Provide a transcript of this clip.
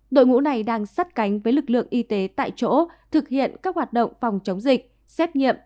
đội ngũ này đang sát cánh với lực lượng y tế tại chỗ thực hiện các hoạt động phòng chống dịch xét nghiệm